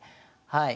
はい。